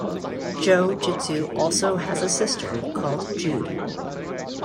Joe Jitsu also has a sister, called Jude.